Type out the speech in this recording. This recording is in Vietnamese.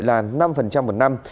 là năm một năm